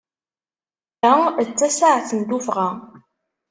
Ta d tasaɛet n tuffɣa.